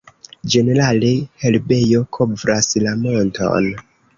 Ĝenerale herbejo kovras la monton.